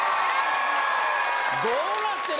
どうなってる？